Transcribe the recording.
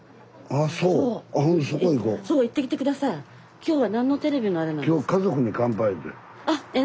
今日は何のテレビのあれなんですか？